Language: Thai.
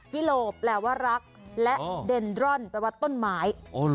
กิโลแปลว่ารักและเดนรอนไปวัดต้นไม้